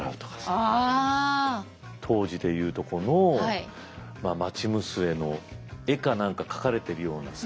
当時で言うとこの町娘の絵か何か描かれてるようなさ。